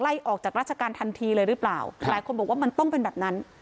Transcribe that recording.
ออกจากราชการทันทีเลยหรือเปล่าหลายคนบอกว่ามันต้องเป็นแบบนั้น